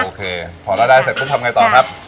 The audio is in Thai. โอเคพอเราได้เสร็จปุ๊บทำไงต่อครับ